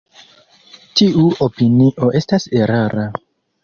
Tiu opinio estas erara.